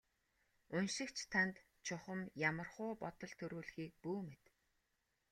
Уншигч танд чухам ямархуу бодол төрүүлэхийг бүү мэд.